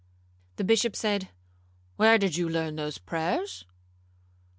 The Bishop said, 'Where did you learn those prayers?'